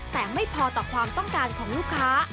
แต่ไม่พอต่อความต้องการของลูกค้า